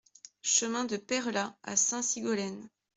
Chemin de Peyrelas à Sainte-Sigolène